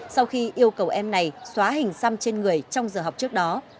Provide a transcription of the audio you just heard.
sau khi yêu cầu em này xóa hình xăm trên người trong giờ học trước đó